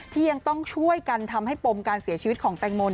ที่ยังต้องช่วยกันทำให้ปมการเสียชีวิตของแตงโม